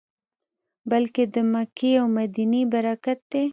بلکې د مکې او مدینې برکت دی.